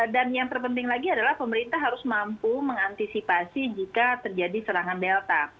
dan yang terpenting lagi adalah pemerintah harus mampu mengantisipasi jika terjadi serangan delta